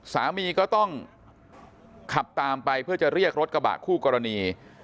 สามีก็ต้องขับตามไปเพื่อจะเรียกรถกระบะคู่กรณี